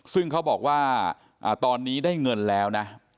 ซึ่งเขาบอกว่าตอนนี้ได้เงินแล้วนะ